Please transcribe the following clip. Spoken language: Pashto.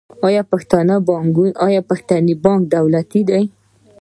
آیا پښتني بانک دولتي دی؟